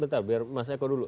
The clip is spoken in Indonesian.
bentar biar mas eko dulu